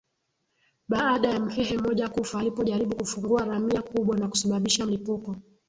Baada ya Mhehe mmoja kufa alipojaribu kufungua ramia kubwa na kusababisha mlipuko